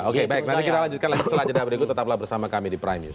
oke baik nanti kita lanjutkan lagi setelah jeda berikut tetaplah bersama kami di prime news